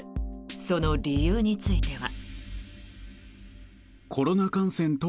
その理由については。